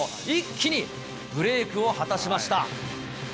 一気にブレークを果たしました。